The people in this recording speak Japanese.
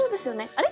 あれ？